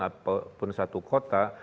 ataupun satu kota